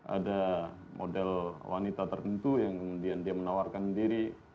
ada model wanita tertentu yang kemudian dia menawarkan diri